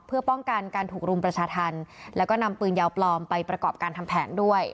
เพื่อป้องกันการถูกรุมประชาธรรมแล้วก็นำปืนยาวปลอมไปประกอบการทำแผนด้วย